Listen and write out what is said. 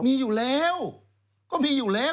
มีอยู่แล้วก็มีอยู่แล้ว